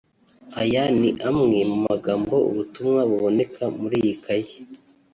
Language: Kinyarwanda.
Aya ni amwe mu magambo(ubutumwa) buboneka muri iyi kayi